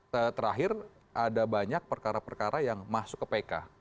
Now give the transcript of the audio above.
terakhir ada banyak perkara perkara yang masuk ke pk